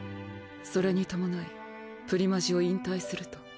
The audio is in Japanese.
それに伴いプリマジを引退すると。